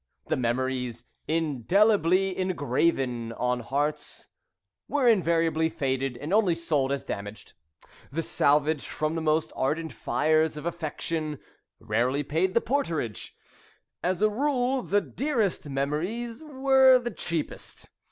The memories "indelibly engraven" on hearts were invariably faded and only sold as damaged. The salvage from the most ardent fires of affection rarely paid the porterage. As a rule, the dearest memories were the cheapest.